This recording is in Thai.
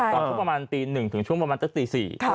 ตอนที่ประมาณตี๑ถึงช่วงประมาณตั้งแต่ตี๔